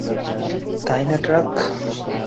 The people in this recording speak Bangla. তাইনা, ড্রাক?